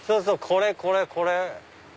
これこれこれ！